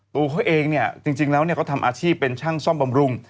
ตัวเขาเองเนี่ยจริงแล้วเขาทำอาชีพเป็นช่างซ่อมบำรุง